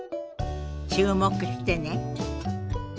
注目してね。